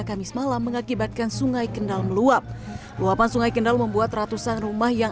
kamis malam mengakibatkan sungai kendal meluap luapan sungai kendal membuat ratusan rumah yang